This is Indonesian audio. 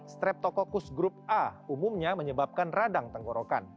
streptococcus grup a umumnya menyebabkan radang tenggorokan